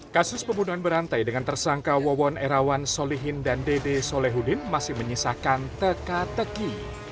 kasus pembunuhan berantai dengan tersangka wawon erawan solihin dan dede solehudin masih menyisakan teka teki